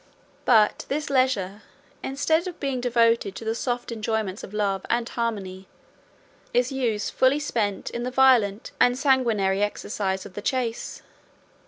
But this leisure, instead of being devoted to the soft enjoyments of love and harmony, is usefully spent in the violent and sanguinary exercise of the chase.